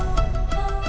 nih aku tidur